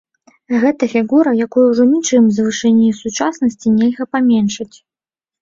Гэта фігура, якую ўжо нічым з вышыні сучаснасці нельга паменшыць.